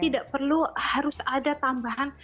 tidak perlu harus ada tambahan